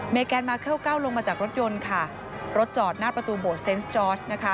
แกนมาเคิลก้าวลงมาจากรถยนต์ค่ะรถจอดหน้าประตูโบสเซนส์จอร์สนะคะ